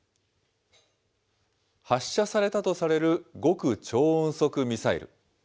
発射されたとされる極超音速ミサイル。